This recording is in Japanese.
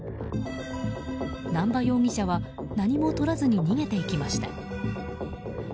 南場容疑者は何もとらずに逃げていきました。